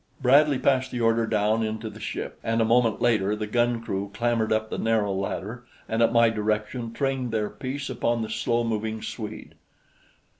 Bradley passed the order down into the ship and a moment later the gun crew clambered up the narrow ladder and at my direction trained their piece upon the slow moving Swede.